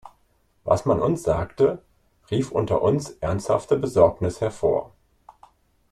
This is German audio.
Was man uns sagte, rief unter uns ernsthafte Besorgnis hervor.